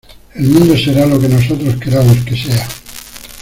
El mundo será lo que nosotros queramos que sea